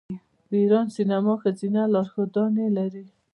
د ایران سینما ښځینه لارښودانې لري.